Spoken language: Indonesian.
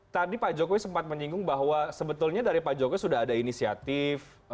tadi pak jokowi sempat menyinggung bahwa sebetulnya dari pak jokowi sudah ada inisiatif